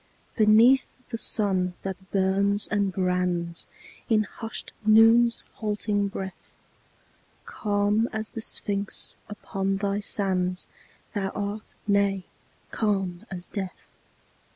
Beneath the sun that burns and brands In hushed Noon's halting breath, Calm as the Sphinx upon thy sands Thou art nay, calm as death.